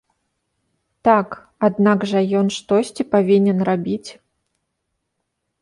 Так, аднак жа ён штосьці павінен рабіць.